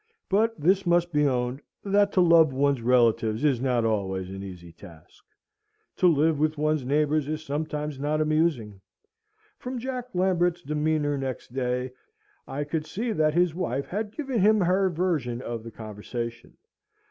But this must be owned, that to love one's relatives is not always an easy task; to live with one's neighbours is sometimes not amusing. From Jack Lambert's demeanour next day, I could see that his wife had given him her version of the conversation.